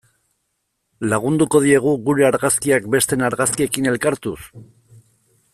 Lagunduko diegu gure argazkiak besteen argazkiekin elkartuz?